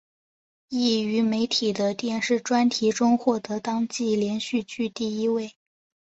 亦于媒体的电视专题中获得当季连续剧第一位。